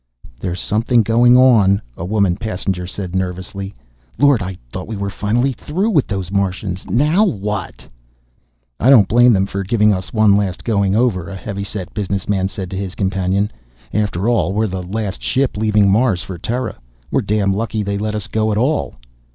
"There's something going on," a woman passenger said nervously. "Lord, I thought we were finally through with those Martians. Now what?" "I don't blame them for giving us one last going over," a heavy set business man said to his companion. "After all, we're the last ship leaving Mars for Terra. We're damn lucky they let us go at all."